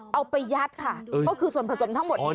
เอาไปยัดค่ะก็คือส่วนผสมทั้งหมด